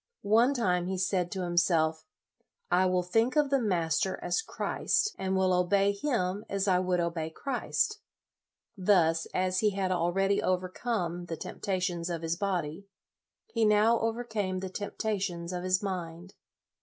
One time, he said to himself, " I will think of the master as Christ, and will obey him as I would obey Christ." Thus, as he had already overcome the tempta tions of his body, he now overcame the temptations of his mind.